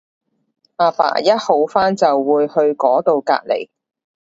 阿爸一好翻就會去嗰到隔離